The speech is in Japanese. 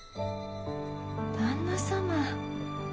旦那様。